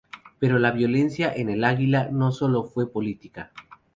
Pero la violencia en El Águila no solo fue política.